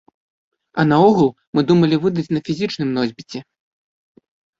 А наогул, мы думалі выдаць на фізічным носьбіце.